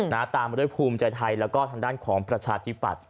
ตามมาด้วยภูมิใจไทยแล้วก็ทางด้านของประชาธิปัตย